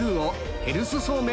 ヘル酢そうめん！